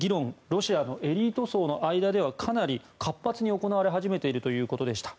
ロシアのエリート層の間ではかなり活発に行われ始めているということでした。